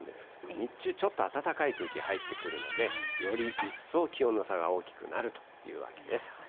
日中ちょっと暖かい空気、入ってくるので、より一層気温の差が大きくなるというわけです。